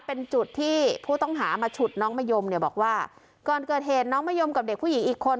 เป็นจุดที่ผู้ต้องหามาฉุดน้องมะยมเนี่ยบอกว่าก่อนเกิดเหตุน้องมะยมกับเด็กผู้หญิงอีกคน